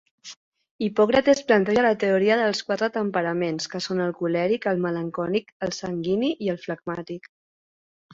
Hipòcrates planteja la teoria dels quatre temperaments, que són el colèric, el melancòlic, el sanguini i el flegmàtic.